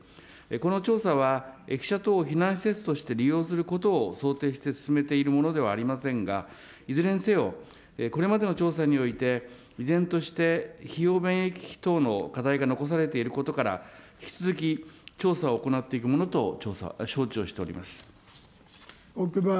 この調査は駅舎等を避難施設として利用することを想定して進めているものではありませんが、いずれにせよ、これまでの調査において、依然として費用便益費等の課題が残されていることから、引き続き調査を行っていくものと承知をしております。